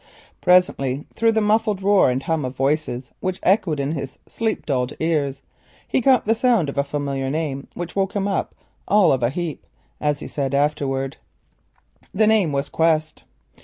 Presently through the muffled roar and hum of voices which echoed in his sleep dulled ears, he caught the sound of a familiar name, that woke him up "all of a heap," as he afterwards said. The name was "Quest."